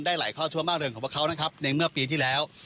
ได้หลายข้อทวมมากเรื่องของเขานะครับในเมื่อปีที่แล้ว